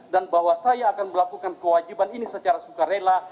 dan bahwa saya akan melakukan kewajiban ini secara suka rela